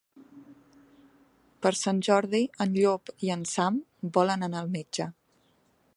Per Sant Jordi en Llop i en Sam volen anar al metge.